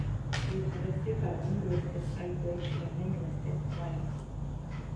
Il est traversé par la Mid-Western Highway et la Main Western Railway.